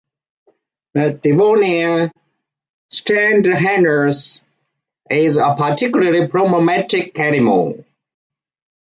The Devonian "Schinderhannes" is a particularly problematic animal.